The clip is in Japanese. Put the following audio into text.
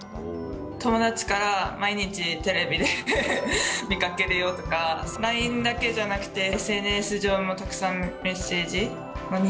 友達から、毎日、テレビで見かけるよとか、ＬＩＮＥだけじゃなくて、ＳＮＳ上もたくさんメッセージ。